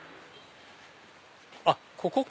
あっここか！